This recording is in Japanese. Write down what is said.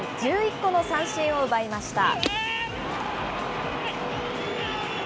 １１個の三振を奪いました。